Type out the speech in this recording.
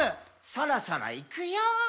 「そろそろいくよー」